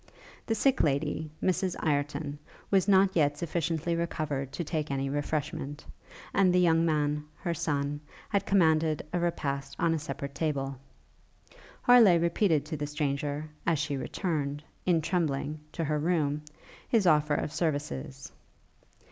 The sick lady, Mrs Ireton, was not yet sufficiently recovered to take any refreshment; and the young man, her son, had commanded a repast on a separate table. Harleigh repeated to the stranger, as she returned, in trembling, to her room, his offer of services.